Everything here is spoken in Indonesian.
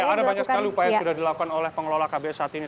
ada banyak sekali upaya yang sudah dilakukan oleh pengelola kbs saat ini